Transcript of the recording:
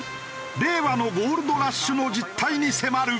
令和のゴールドラッシュの実態に迫る。